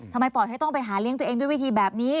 ปล่อยให้ต้องไปหาเลี้ยงตัวเองด้วยวิธีแบบนี้